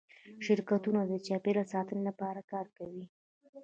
شرکتونه د چاپیریال ساتنې لپاره کار کوي؟